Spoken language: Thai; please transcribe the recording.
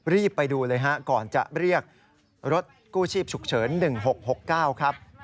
รีบไปดูเลยฮะก่อนจะเรียกรถกู้ชีพฉุกเฉิน๑๖๖๙ครับ